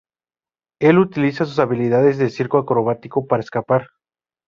Él utiliza sus habilidades de circo acrobático para escapar.